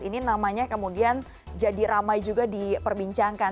ini namanya kemudian jadi ramai juga diperbincangkan